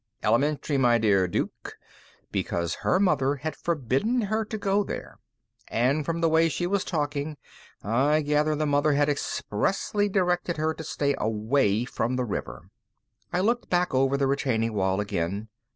"Elementary, my dear Duke. Because her mother had forbidden her to go there. And, from the way she was talking, I gather the mother had expressly directed her to stay away from the river." I looked back over the retaining wall again.